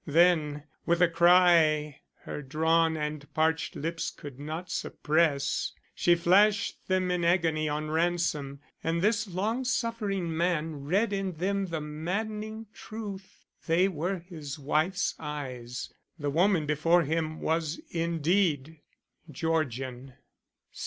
Then, with a cry her drawn and parched lips could not suppress, she flashed them in agony on Ransom, and this long suffering man read in them the maddening truth. They were his wife's eyes; the woman before him was indeed Georgian.